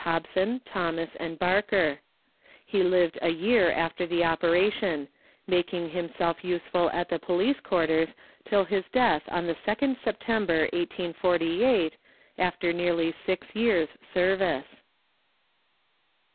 Hobson, Thomas, and Barker ; he lived a year after the operation, making himself useful at the police quarters till his death on the 2nd September 1848, after nearly six years' service.